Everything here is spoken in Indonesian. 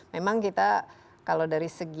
memang kita kalau dari segi